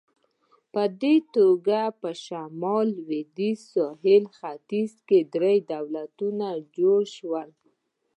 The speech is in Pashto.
په دې توګه په شمال، لوېدیځ او سویل ختیځ کې درې دولتونه جوړ شول.